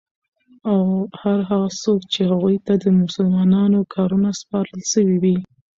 او هر هغه څوک چی هغوی ته د مسلمانانو کارونه سپارل سوی وی